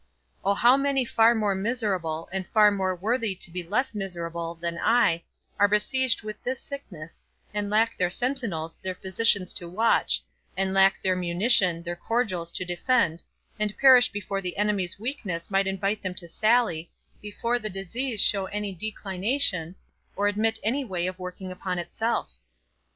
O how many far more miserable, and far more worthy to be less miserable than I, are besieged with this sickness, and lack their sentinels, their physicians to watch, and lack their munition, their cordials to defend, and perish before the enemy's weakness might invite them to sally, before the disease show any declination, or admit any way of working upon itself?